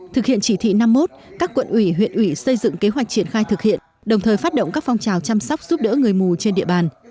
thực hiện chỉ thị năm mươi một các quận ủy huyện ủy xây dựng kế hoạch triển khai thực hiện đồng thời phát động các phong trào chăm sóc giúp đỡ người mù trên địa bàn